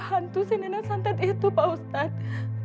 hantu si nenek santet itu pak ustadz